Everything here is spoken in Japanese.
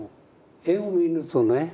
絵を見るとね